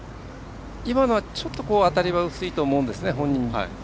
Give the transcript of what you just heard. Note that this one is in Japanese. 今のはちょっと当たりは薄いと思うんですね。